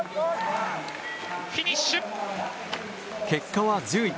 結果は１０位。